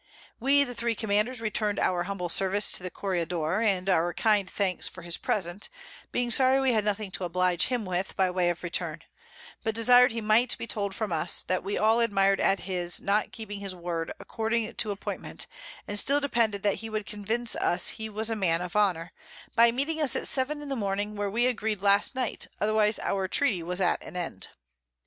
We the 3 Commanders return'd our humble Service to the Corregidore, and our kind Thanks for his Present, being sorry we had nothing to oblige him with by way of Return; but desir'd he might be told from us, that we all admir'd at his not keeping his Word according to Appointment, and still depended that he would convince us he was a Man of Honour, by meeting us at 7 in the Morning where we agreed last Night, otherwise our Treaty was at an end.